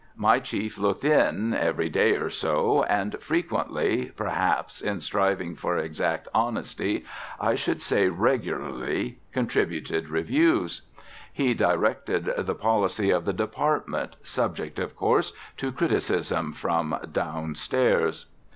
My chief looked in every day or so, and frequently, perhaps in striving for exact honesty I should say regularly, contributed reviews. He directed the policy of the department, subject, of course, to criticism from "down stairs."